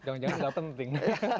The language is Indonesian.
jangan jangan nggak penting